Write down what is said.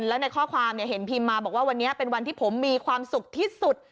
แล้วในข้อความเห็นพิมพ์มาบอกว่าวันนี้เป็นวันที่ผมมีความสุขที่สุด